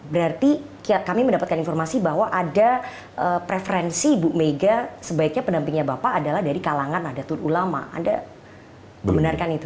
berarti kami mendapatkan informasi bahwa ada preferensi ibu mega sebaiknya pendampingnya bapak adalah dari kalangan nahdlatul ulama anda membenarkan itu